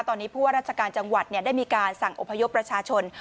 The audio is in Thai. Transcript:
ตอนนี้พวกรัชกาลจังหวัดเนี่ยได้มีการสั่งอุบายบประชาชน